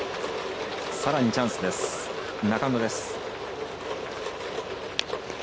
さらにチャンス、中野です。